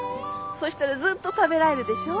そしたらずっと食べられるでしょ。